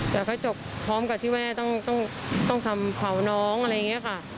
แต่ก็จบพร้อมกับที่ว่าต้องทำเผาน้องอะไรอย่างนี้ค่ะ